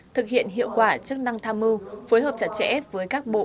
thực hiện hiệu quả chức năng tham mưu phối hợp chặt chẽ với các bộ